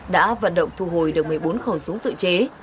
đã vận động thu hồi được một mươi bốn khẩu súng tự chế